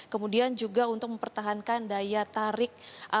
kemudian juga untuk mempertahankan daya tarik